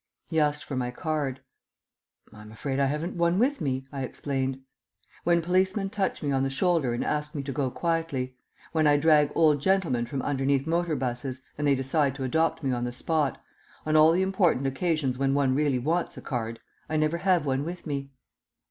He asked for my card. "I'm afraid I haven't one with me," I explained. When policemen touch me on the shoulder and ask me to go quietly; when I drag old gentlemen from underneath motor 'buses, and they decide to adopt me on the spot; on all the important occasions when one really wants a card, I never have one with me.